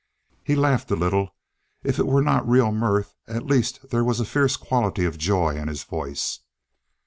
He laughed a little; if it were not real mirth, at least there was a fierce quality of joy in his voice.